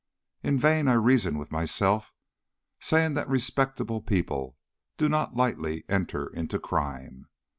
In vain I reason with myself, saying that respectable people do not lightly enter into crime.